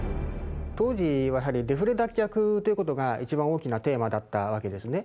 当時はやはりデフレ脱却ということが一番大きなテーマだったわけですね。